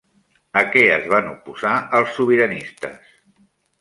A què es van oposar els sobiranistes?